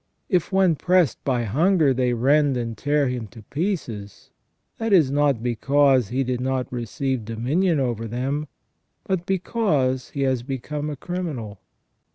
If when pressed by hunger they rend and tear him to pieces, that is not because he did not receive dominion over them, but because he has become a criminal.